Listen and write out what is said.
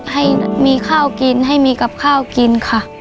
ให้มีข้าวกินให้มีกับข้าวกินค่ะ